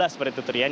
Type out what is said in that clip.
seperti itu rian